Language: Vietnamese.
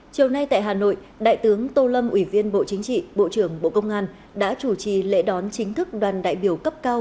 chiều nay tại hà nội đại tướng tô lâm ủy viên bộ chính trị bộ trưởng bộ công an đã chủ trì lễ đón chính thức đoàn đại biểu cấp cao